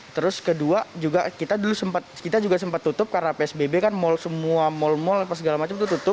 terus kedua kita juga sempat tutup karena psbb kan semua mal mal dan segala macam itu tutup